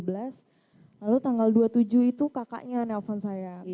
lalu tanggal dua puluh tujuh itu kakaknya nelfon saya